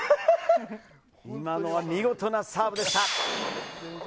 今のは見事なサーブでした。